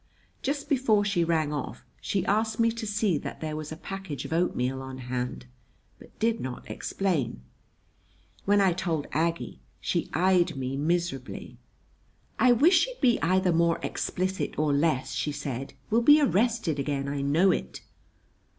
Just before she rang off, she asked me to see that there was a package of oatmeal on hand, but did not explain. When I told Aggie she eyed me miserably. "I wish she'd be either more explicit or less," she said. "We'll be arrested again. I know it!"